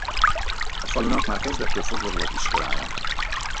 A falunak már kezdettől fogva volt iskolája.